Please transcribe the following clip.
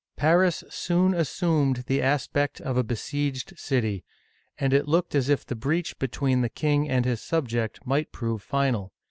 Paris soon assumed the aspect of a besieged city, and it looked as if the breach between the king and his subject might prove final.